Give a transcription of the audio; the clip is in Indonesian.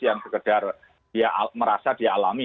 yang sekedar dia merasa dialami